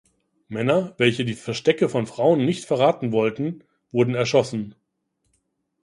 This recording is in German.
Männer, welche die Verstecke von Frauen nicht verraten wollten, wurden erschossen.